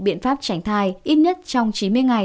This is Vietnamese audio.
biện pháp tránh thai ít nhất trong chín mươi ngày